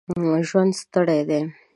ژوند ستړی دی.